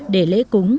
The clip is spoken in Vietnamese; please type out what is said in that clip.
để lễ cúng